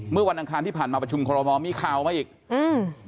เมื่อวันอังคารที่ผ่านมาประชุมคอรมอลมีข่าวมาอีกอืม